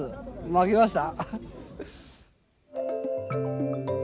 負けました。